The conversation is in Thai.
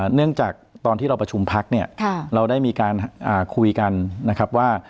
เนื่องจากตอนที่เราประชุมพักเนี่ยเราได้มีการคุยกันนะครับว่า